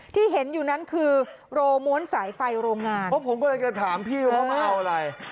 ที่เห็นอยู่นั้นคือโรม้วนสายไฟโรงงานเพราะผมกำลังจะถามพี่ว่ามาเอาอะไร